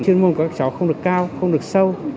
chuyên môn của các cháu không được cao không được sâu